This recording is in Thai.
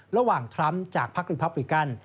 ระหว่างทรัมป์จากพักริพับริกัน